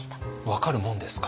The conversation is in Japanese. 分かるもんですか？